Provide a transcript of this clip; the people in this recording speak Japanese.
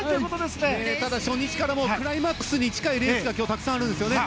ただ、初日からクライマックスに近いレースがあるんですよね。